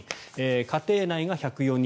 家庭内が１０４人